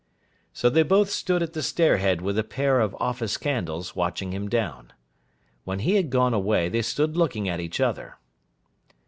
So they both stood at the stair head with a pair of office candles, watching him down. When he had gone away, they stood looking at each other.